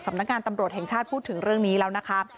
สำนักงานตำรวจแห่งชาติพูดถึงเรื่องนี้แล้วนะคะ